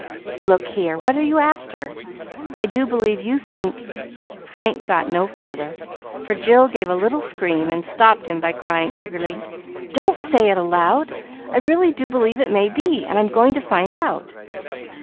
"Look here; what are you after? I do believe you think " Frank got no farther, for Jill gave a little scream, and stopped him by crying eagerly, "Don't say it out loud! I really do believe it may be, and I'm going to find out."